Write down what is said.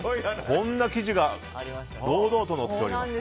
こんな記事が堂々と載っております。